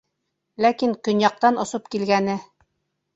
Ләкин көньяҡтан осоп килгәне: